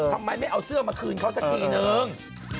ทำไมไม่เอาเสื้อมาคืนเขาสักทีนึง